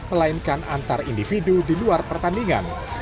melainkan antar individu di luar pertandingan